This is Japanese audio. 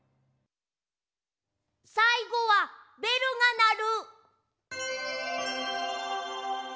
さいごは「べるがなる」。